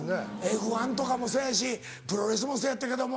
Ｆ１とかもそうやしプロレスもそうやったけども。